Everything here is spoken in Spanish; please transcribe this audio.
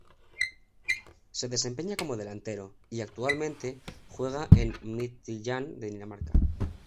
Se desempeña como delantero y actualmente juega en el Midtjylland de Dinamarca.